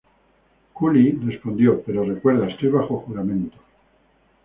Cooley respondió: "Pero recuerda, estoy bajo juramento".